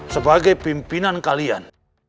sebagai pimpinan kalian